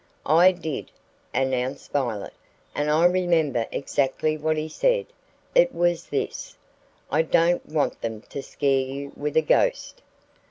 "I did," announced Violet; "and I remember exactly what he said. It was this: 'I don't want them to scare you with a ghost.'"